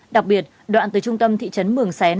đặc biệt đoạn từ trung tâm thị trấn mường xén